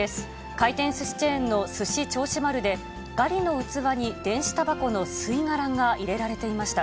回転すしチェーンのすし銚子丸で、ガリの器に電子たばこの吸い殻が入れられていました。